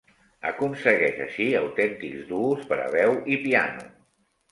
Aconsegueix així autèntics duos per a veu i piano.